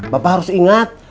bapak harus ingat